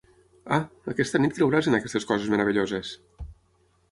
Ah, aquesta nit creuràs en aquestes coses meravelloses!